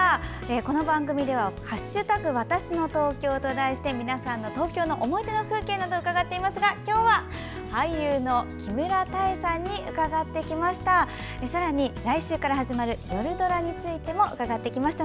この番組では「＃わたしの東京」と題して皆さんの東京の思い出の風景など伺っていますが今日は俳優の木村多江さんに伺ってきました。